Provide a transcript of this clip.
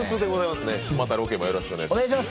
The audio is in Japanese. またロケもよろしくお願いします。